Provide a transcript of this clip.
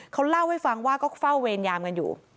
เขาเล่าให้ฟังว่าก็เฝ้าเวรยามกันอยู่